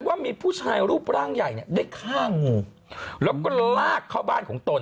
ว่ามีผู้ชายรูปร่างใหญ่เนี่ยได้ฆ่างูแล้วก็ลากเข้าบ้านของตน